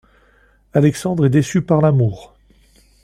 Alexandre est déçu par l'amour.